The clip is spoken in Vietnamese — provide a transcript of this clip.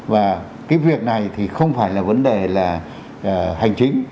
và cái việc này thì không phải là vấn đề là hành chính